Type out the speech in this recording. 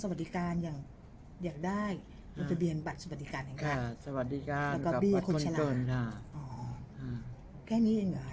สวัสดีการกับคนเฉลาแค่นี้เองเหรอ